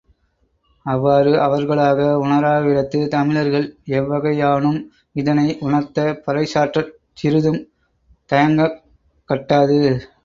அவ்வாறு அவர்களாக உணராவிடத்து, தமிழர்கள் எவ்வகையானும் இதனை உணர்த்த, பறைசாற்றச் சிறிதும் தயங்கக் கட்டாது.